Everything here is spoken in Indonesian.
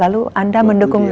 lalu anda mendukung dia